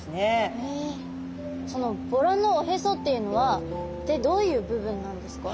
そのボラのおへそっていうのは一体どういう部分なんですか？